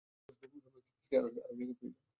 রুমে ছোটির আরো জায়গা প্রয়োজন।